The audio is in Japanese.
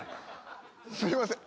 すいません。